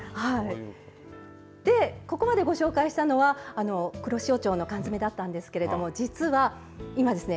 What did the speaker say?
ここまでご紹介したのは黒潮町の缶詰だったんですけれど実は今ですね